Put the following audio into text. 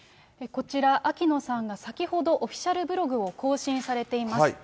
こちら、秋野さんが先ほど、オフィシャルブログを更新されています。